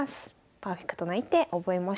パーフェクトな一手覚えましょう。